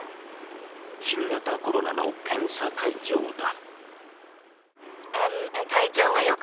新型コロナの検査会場だ。